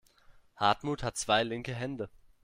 Hartmut hat zwei linke Hände.